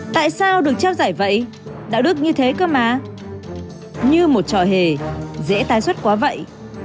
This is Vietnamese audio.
tại sao được trao giải vậy đạo đức như thế cơ á như một trò hề dễ tái xuất quá vậy